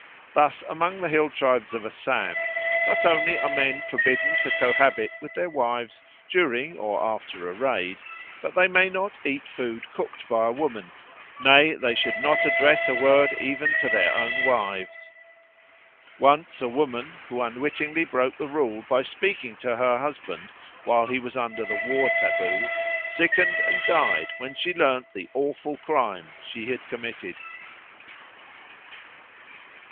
Thus among the hill tribes of Assam, not only are men forbidden to cohabit with their wives during or after a raid, but they may not eat food cooked by a woman; nay, they should not address a word even to their own wives. Once a woman, who unwittingly broke the rule by speaking to her husband while he was under the war taboo, sickened and died when she learned the awful crime she had committed.